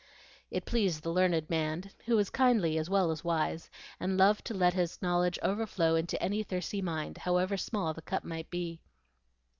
It pleased the learned man, who was kindly as well as wise, and loved to let his knowledge overflow into any thirsty mind, however small the cup might be.